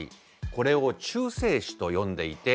これを「中性子」と呼んでいて